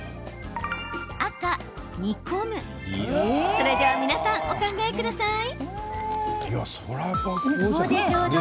それでは皆さん、お考えください。